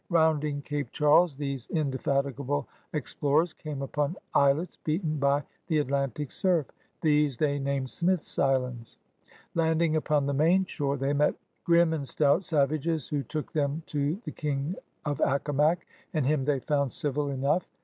Rounding Cape Charles these in defatigable explorers came upon islets beaten by the Atlantic surf. These they named Smith's Islands. Landing upon the main shorcr they met ^'grimme and stout'' savages, who took them to the King of Accomac, and him they found dvil enough.